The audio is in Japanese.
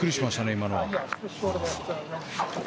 今のは。